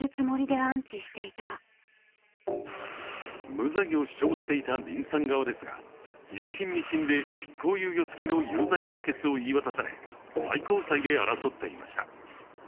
無罪を主張していたリンさん側ですが１審・２審で執行猶予つきの有罪判決を言い渡され最高裁で争っていました。